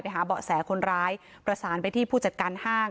หาเบาะแสคนร้ายประสานไปที่ผู้จัดการห้าง